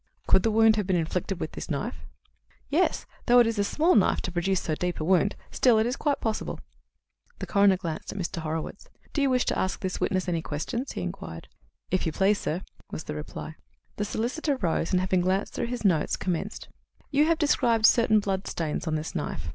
"Could the wound have been inflicted with this knife?" "Yes, though it is a small knife to produce so deep a wound. Still, it is quite possible." The coroner glanced at Mr. Horwitz. "Do you wish to ask this witness any questions?" he inquired. "If you please, sir," was the reply. The solicitor rose, and, having glanced through his notes, commenced: "You have described certain blood stains on this knife.